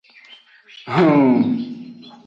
Hun.